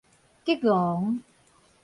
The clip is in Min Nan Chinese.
激昂